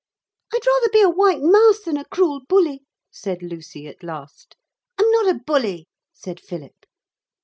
'I'd rather be a white mouse than a cruel bully,' said Lucy at last. 'I'm not a bully,' said Philip.